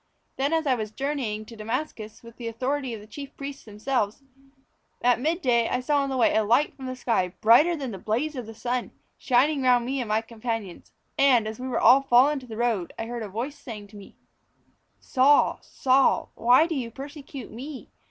"Then as I was journeying to Damascus, with the authority of the chief priests themselves, at mid day I saw on the way a light from the sky, brighter than the blaze of the sun, shining round about me and my companions. And, as we were all fallen on to the road, I heard a voice saying to me: "'Saul, Saul, why do you persecute me?